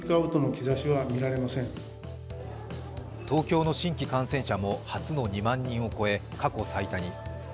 東京の新規感染者も初の２万人を超え過去最多に。